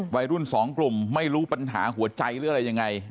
วัยรุ่นสองกลุ่มไม่รู้ปัญหาหัวใจหรืออะไรยังไง